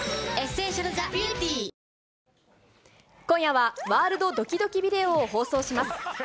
今夜は、ワールドドキドキビデオを放送します。